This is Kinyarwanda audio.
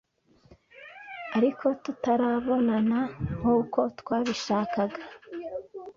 ariko tutarabonana nkuko twabishakaga